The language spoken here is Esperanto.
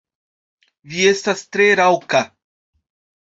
Vi estas tre raŭka.